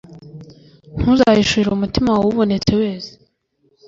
Ntuzahishurire umutima wawe ubonetse wese,